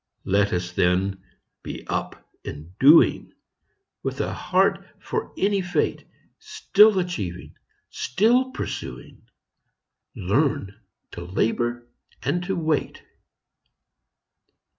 Let us, then, be up and doing, With a heart for any fate ; Still achieving, still pursuing, Learn to labor and to wait.